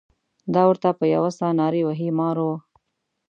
دای ورته په یوه ساه نارې وهي مارو.